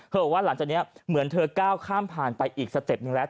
บอกว่าหลังจากนี้เหมือนเธอก้าวข้ามผ่านไปอีกสเต็ปหนึ่งแล้ว